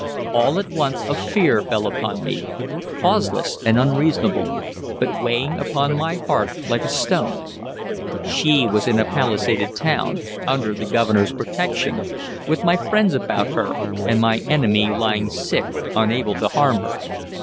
All at once a fear fell upon me, causeless and unreasonable, but weighing upon my heart like a stone. She was in a palisaded town, under the Governor's protection, with my friends about her and my enemy lying sick, unable to harm her.